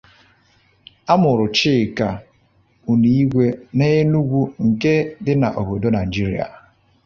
Amụrụ Chika Unigwe na Enugu nke di na obodo Naijiria.